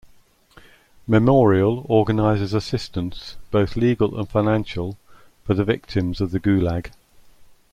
Memorial organizes assistance, both legal and financial, for the victims of the Gulag.